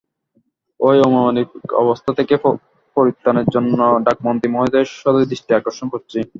এই অমানবিক অবস্থা থেকে পরিত্রাণের জন্য ডাকমন্ত্রী মহোদয়ের সদয় দৃষ্টি আকর্ষণ করছি।